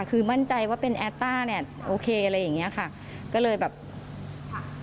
คือมั่นใจว่าเป็นแอตต้าเนี่ยโอเคอะไรอย่างเงี้ยค่ะก็เลยแบบค่ะ